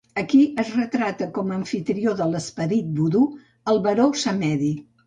Aquí, es retrata com a amfitrió de l'esperit vudú, el baró Samedi.